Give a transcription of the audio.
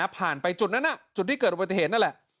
ผ่านไปจุดนั้นจุดที่เกิดอุบัติเหตุนั่นแหละ